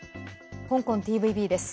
香港ＴＶＢです。